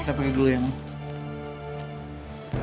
kita pergi dulu ya mama